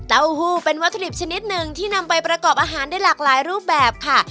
หูเป็นวัตถุดิบชนิดหนึ่งที่นำไปประกอบอาหารได้หลากหลายรูปแบบค่ะ